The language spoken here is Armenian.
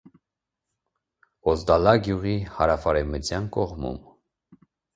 Բոզդալա գյուղի հարավարևմտյան կողմում։